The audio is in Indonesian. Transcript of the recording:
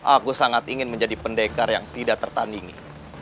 aku sangat ingin menjadi pendekar yang tidak tertandingi